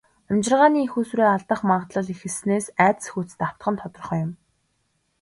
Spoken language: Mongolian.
Амьжиргааны эх үүсвэрээ алдах магадлал ихэссэнээс айдас хүйдэст автах нь тодорхой юм.